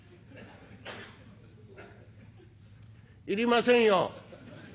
「要りませんよ。